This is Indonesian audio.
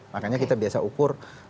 makanya kita biasa ukur bertanya kepada warga